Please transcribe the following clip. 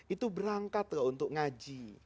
itu berangkat untuk ngaji